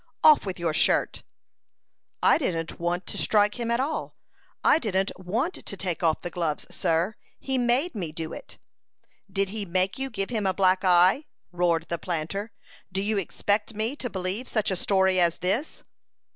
Off with your shirt!" "I didn't want to strike him at all. I didn't want to take off the gloves, sir. He made me do it." "Did he make you give him a black eye?" roared the planter. "Do you expect me to believe such a story as this?"